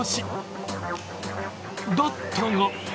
だったが